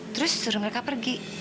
terus suruh mereka pergi